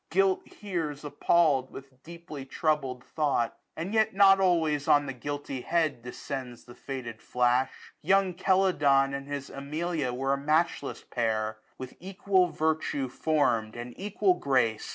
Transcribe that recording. Guilt hears appall'd, with deeply troubled thought. And yet not always on the guilty head 1170 Descends the fated flash. Young Celadon And his Amelia were a matchless pair ; With equal virtue form'd, and equal grace.